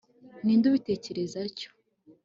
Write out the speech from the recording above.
ninde ubitekereza atyo